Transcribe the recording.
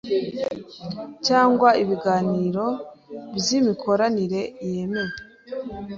cyangwa ibiganiro by imikoranire yemewe